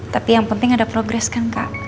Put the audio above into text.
tapi yang penting ada progres kan kak